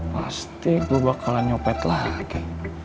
pasti saya akan menyopet lagi